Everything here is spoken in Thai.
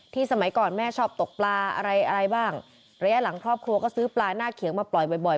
สมัยก่อนแม่ชอบตกปลาอะไรอะไรบ้างระยะหลังครอบครัวก็ซื้อปลาหน้าเขียงมาปล่อยบ่อยบ่อย